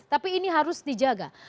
tapi ini harus dijaga